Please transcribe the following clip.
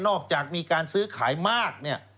ออกจากมีการซื้อขายมากเนี่ย